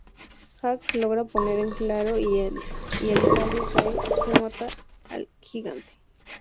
Jack logra poner en claro y el tallo cae que mata al gigante.